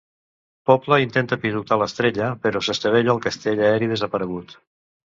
Popla intenta pilotar l'estrella, però s'estavella al castell aeri desaparegut.